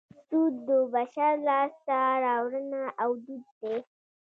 سود د بشر لاسته راوړنه او دود دی